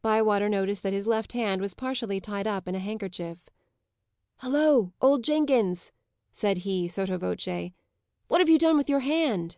Bywater noticed that his left hand was partially tied up in a handkerchief. "Holloa, old Jenkins," said he, sotte voce, "what have you done with your hand?"